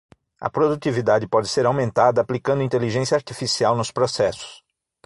A produtividade pode ser aumentada aplicando inteligência artificial nos processos